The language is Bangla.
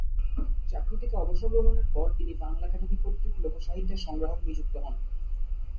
চাকরি থেকে অবসর গ্রহণের পর তিনি বাংলা একাডেমী কর্তৃক লোকসাহিত্যের সংগ্রাহক নিযুক্ত হন।